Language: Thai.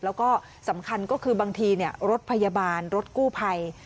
แล้วก็สำคัญก็คือบางทีรถพยาบาลรถกู้ภัย